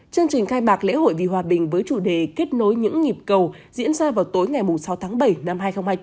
chương trình khai mạc lễ hội vì hòa bình với chủ đề kết nối những nhịp cầu diễn ra vào tối ngày sáu tháng bảy năm hai nghìn hai mươi bốn